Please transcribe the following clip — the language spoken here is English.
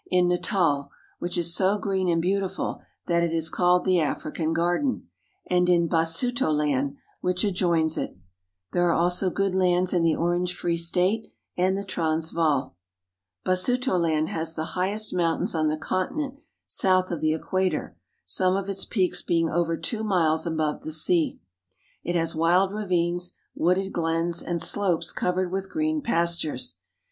Natal (na tal'X J which is so green and beautiful that it is called the i African Garden, and in Basutoland (bi sou'to land) which ' I adjoins it. There are also good lands in the Orange Free State and the Transvaal. Basutoland has the highest mountains on the continent south of the equa tor, some of its peaks being over two miles above the rsea. It has wild ravines, wooded glens, and slopes 1 ^vered with green pastures.